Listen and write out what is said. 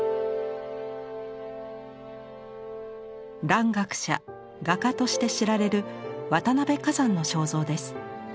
蘭学者画家として知られる渡辺崋山の肖像です。